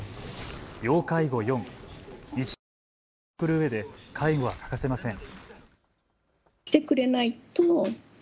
要介護４、日常生活を送るうえで介護は欠かせません。